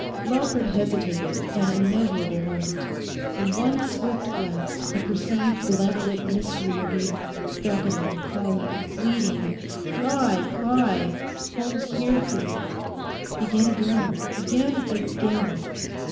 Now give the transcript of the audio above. Lawford hesitated an immeasurable moment. In one swift glance he perceived the lamplit mystery of evening, beckoning, calling, pleading—Fly, fly! Home's here for you. Begin again, begin again.